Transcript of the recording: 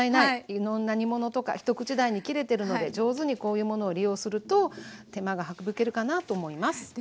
いろんな煮物とか一口大に切れてるので上手にこういうものを利用すると手間が省けるかなと思います。